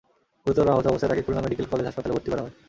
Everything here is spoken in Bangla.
গুরুতর আহত অবস্থায় তাঁকে খুলনা মেডিকেল কলেজ হাসপাতালে ভর্তি করা হয়।